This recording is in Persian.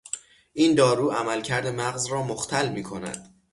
این دارو عملکرد مغز را مختل میکند.